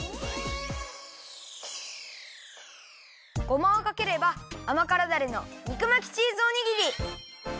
ごまをかければあまからダレの肉巻きチーズおにぎり！